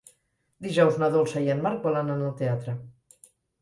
Dijous na Dolça i en Marc volen anar al teatre.